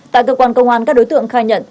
tại cơ quan công an các đối tượng khai nhận